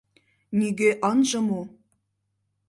Нигӧ ынже му.